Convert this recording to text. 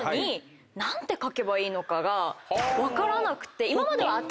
分からなくて。